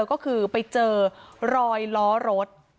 ก็คือไปเจอรอยล้อรถ